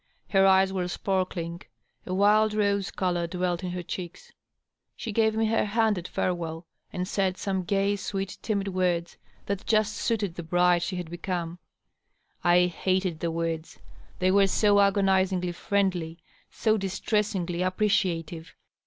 Her eyes were sparkling ; a wild rose color dwelt in her cheeks ; she gave me her hand at ferewell and said some gay, sweet, timid words that just suited the bride she had become. I hated the words, they were so agonizingly friendly, so distressingly appreciative.